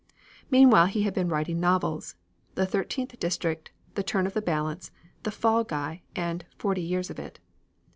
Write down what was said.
Meanwhile he had been writing novels, "The Thirteenth District," "The Turn of the Balance," "The Fall Guy," and "Forty Years of It."